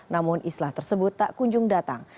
namun islah tersebut tak kunjung datang